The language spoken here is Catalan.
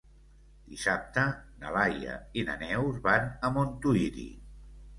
Dissabte na Laia i na Neus van a Montuïri.